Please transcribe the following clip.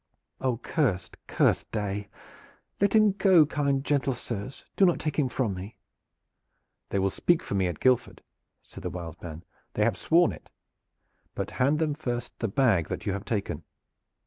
"Oh, cursed, cursed day! Let him go, kind, gentle sirs; do not take him from me!" "They will speak for me at Guildford," said the "Wild Man." "They have sworn it. But hand them first the bag that you have taken."